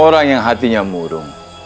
orang yang hatinya murung